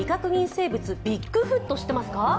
生物、ビッグフット知ってますか？